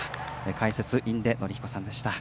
解説、印出順彦さんでした。